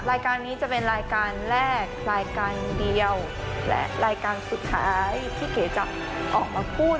รายการนี้จะเป็นรายการแรกรายการเดียวและรายการสุดท้ายที่เก๋จะออกมาพูด